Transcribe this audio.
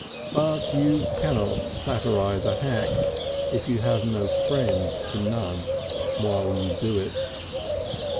But you cannot satirise a hack, if you have no friend to nudge while you do it.